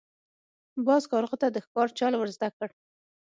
باز کارغه ته د ښکار چل ور زده کړ.